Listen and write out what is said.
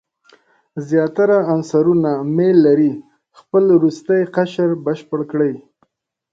زیاتره عنصرونه میل لري خپل وروستی قشر بشپړ کړي.